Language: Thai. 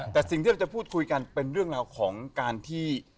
แต่สิ่งที่เราจะพูดคุยกันเป็นเรื่องราวของการที่